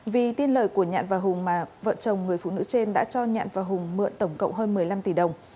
vì tin lời của nhạn và hùng mà vợ chồng người phụ nữ trên đã cho nhạn và hùng mượn tổng cộng hơn một mươi năm tỷ đồng